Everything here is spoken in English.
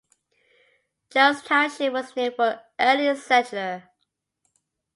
Jones Township was named for an early settler.